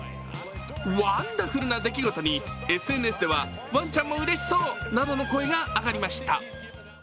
ワンダフルな出来事に、ＳＮＳではワンちゃんもうれしそうなどの声が上がりました。